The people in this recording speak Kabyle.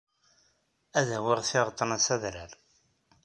Ad awyeɣ tiɣeḍḍen-a s adrar.